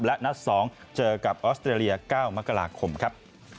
และนัด๒เจอกับออสเตรเลีย๙มกราคมครับ